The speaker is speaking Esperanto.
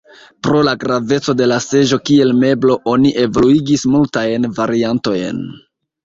Pro la graveco de la seĝo kiel meblo oni evoluigis multajn variantojn.